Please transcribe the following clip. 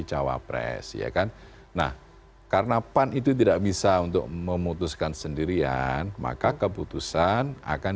cawapres ya kan nah karena pan itu tidak bisa untuk memutuskan sendirian maka keputusan akan